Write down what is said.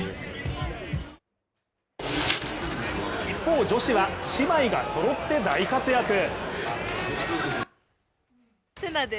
一方、女子は姉妹がそろって大活躍。